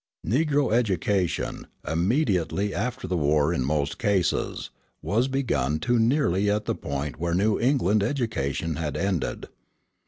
Negro education, immediately after the war in most cases, was begun too nearly at the point where New England education had ended.